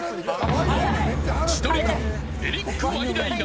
千鳥軍、エリック・ワイナイナ